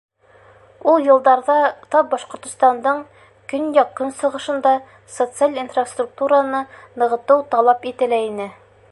— Ул йылдарҙа тап Башҡортостандың көньяҡ-көнсығышында социаль инфраструктураны нығытыу талап ителә ине.